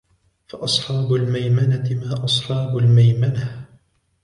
فأصحاب الميمنة ما أصحاب الميمنة